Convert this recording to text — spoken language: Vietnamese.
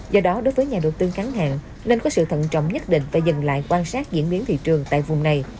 do đó đối với nhà đầu tư ngắn hạn nên có sự thận trọng nhất định phải dừng lại quan sát diễn biến thị trường tại vùng này